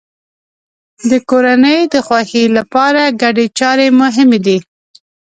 د کورنۍ د خوښۍ لپاره ګډې چارې مهمې دي.